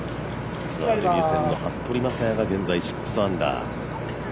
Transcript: ツアーデビュー戦の服部雅也が現在６アンダー。